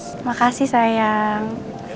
terima kasih sayang